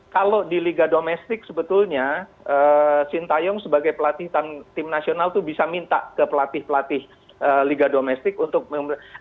kalau di liga domestik sebetulnya sintayong sebagai pelatih tim nasional itu bisa minta ke pelatih pelatih liga domestik untuk memberikan